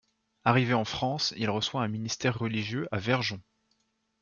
Arrivé en France, il reçoit un ministère religieux à Verjon.